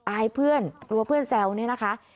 อายเพื่อนกลัวเพื่อนแซวเนี่ยนะคะ